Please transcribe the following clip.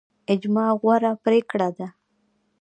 اجماع غوره پریکړه ده